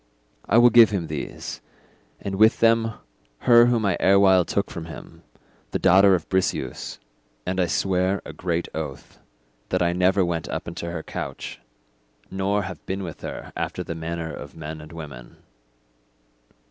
I will give him these, and with them her whom I erewhile took from him, the daughter of Briseus; and I swear a great oath that I never went up into her couch, nor have been with her after the manner of men and women.